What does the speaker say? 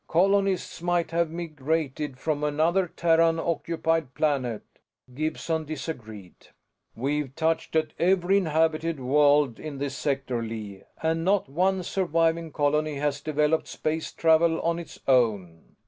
"Colonists might have migrated from another Terran occupied planet." Gibson disagreed. "We've touched at every inhabited world in this sector, Lee, and not one surviving colony has developed space travel on its own.